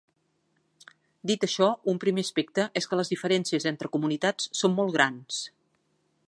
Dit això, un primer aspecte és que les diferències entre comunitats són molt grans.